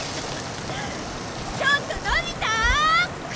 ちょっとのび太！